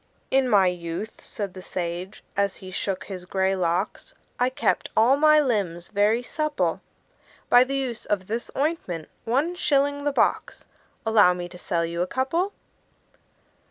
"In my youth," said the sage, as he shook his gray locks, "I kept all my limbs very supple By the use of this ointment one shilling the box Allow me to sell you a couple."